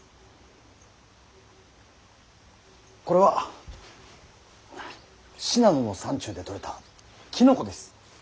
これは信濃の山中で採れたきのこです。